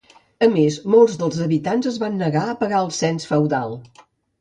A més, molts dels habitants es van negar a pagar el cens feudal.